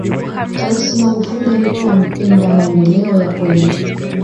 raisi magufuli alikuwa mpenda maendeleo ya kweli